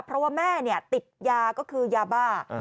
เพราะว่าแม่ติดยาก็คือยาบ้า